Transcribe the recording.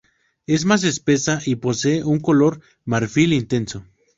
Es más espesa y posee un color marfil intenso.